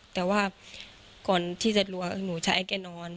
แต่ว่าก่อนที่จะรัวหนูใช้แก่นอน